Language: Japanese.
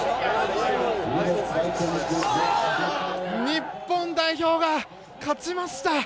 日本代表が勝ちました！